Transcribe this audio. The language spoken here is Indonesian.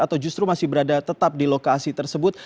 atau justru masih berada tetap di lokasi tersebut